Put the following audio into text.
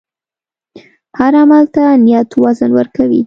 هر عمل ته نیت وزن ورکوي.